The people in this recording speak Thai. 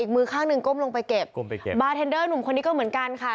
อีกมือข้างหนึ่งเอาลงไปเก็บบาร์เทนเดอร์หนุ่มมันก็เหมือนกันครับ